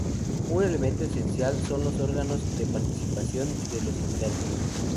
Un elemento esencial son los órganos de participación de los internos.